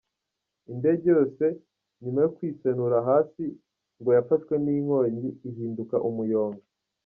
Indege yose nyuma yo kwisenura hasi ngo yafashwe n’inkongi ihinduka umuyonga.